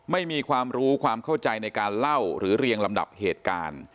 ไม่มีความรู้ความเข้าใจในการเล่าหรือเรียงลำดับเหตุการณ์